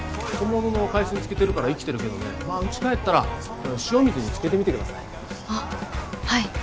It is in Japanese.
本物の海水に漬けてるから生きてるけどねうち帰ったら塩水に漬けてみてください。